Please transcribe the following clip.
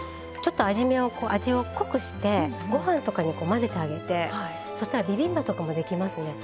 ちょっと味を濃くしてご飯とかに混ぜてあげてそしたらビビンバとかもできますね。